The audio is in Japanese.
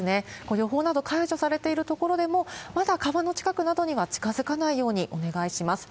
予報など解除されている所でも、まだ川の近くなどには近づかないようにお願いします。